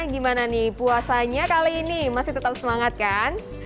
gimana nih puasanya kali ini masih tetap semangat kan